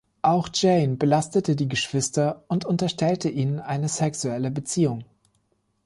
Auch Jane belastete die Geschwister und unterstellte ihnen eine sexuelle Beziehung.